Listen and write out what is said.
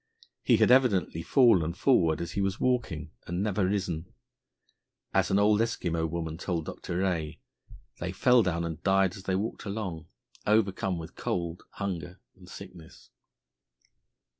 He had evidently fallen forward as he was walking, and never risen. As an old Eskimo woman told Dr. Rae, "they fell down and died as they walked along," overcome with cold, hunger, and sickness.